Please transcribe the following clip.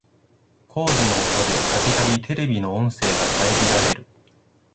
工事の音でたびたびテレビの音声が遮られる